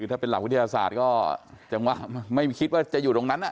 ถ้าเป็นหลักวิทยาศาสตร์ก็จังหวะไม่คิดว่าจะอยู่ตรงนั้น